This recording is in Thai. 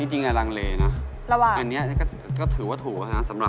อันนี้๓ก้าวมาซื้อที่อันนี้๓ก้าวเธอซื้อให้ประจำ